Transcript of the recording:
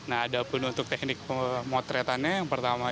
ada pun untuk teknik motretannya